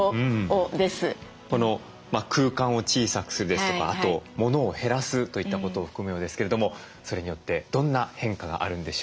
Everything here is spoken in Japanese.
空間を小さくするですとかあと物を減らすといったことを含むようですけれどもそれによってどんな変化があるんでしょうか。